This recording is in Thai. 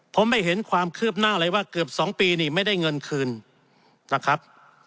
ผมไม่เห็นความคืบหน้าเลยว่าเกือบ๒ปีนี่ไม่ได้เงินคืนนะครับ